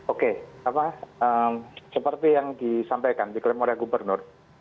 oke seperti yang disampaikan diklaim oleh gubernur